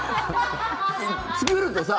作るとさ